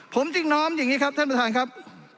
ผมจึงน้อมอย่างนี้ครับท่านประธานครับ